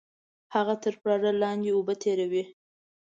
هغه تر پراړه لاندې اوبه تېروي